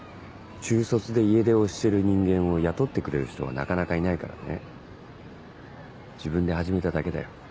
中卒で家出をしてる人間を雇ってくれる人はなかなかいないからね自分で始めただけだよ。